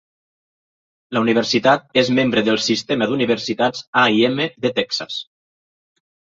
La Universitat és membre del Sistema d'Universitats A i M de Texas.